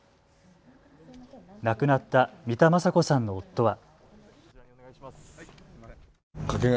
亡くなった三田昌子さんの夫は。